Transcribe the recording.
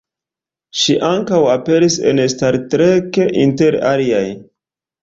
Ŝi ankaŭ aperis en Star Trek, inter aliaj.